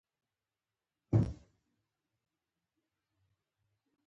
د ده وېشتل مې و نه لیدل، خو د ډزو غږ مې.